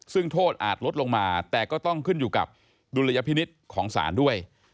ซึ่งโทษอาจลดลงมาแต่ก็ต้องขึ้นอยู่กับดุลยพินิษฐ์ของศาลด้วย